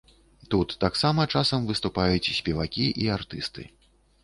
Тут таксама часам выступаюць спевакі і артысты.